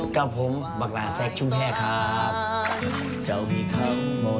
ก็ผมบังราชแซคชุมแพร่ครับ